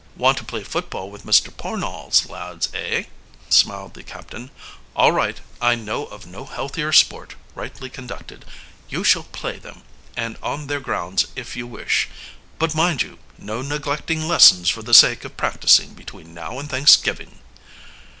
"Want to play football with Mr. Pornell's lads, eh?" smiled the captain. "All right, I know of no healthier sport, rightly conducted. You shall play them, and on their grounds if you wish. But, mind you, no neglecting lessons for the sake of practicing between now and Thanksgiving!"